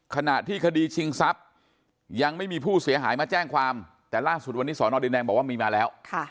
ขณะที่คดีชิงทรัพย์ยังไม่มีผู้เสียหายมาแจ้งความแต่ล่าสุดวันนี้สอนอดินแดงบอกว่ามีมาแล้ว